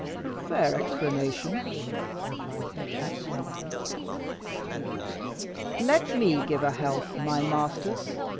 "A fair explanation," replied Henry, laughing. "Let me give a health, my masters!"